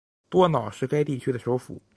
多瑙是该地区的首府。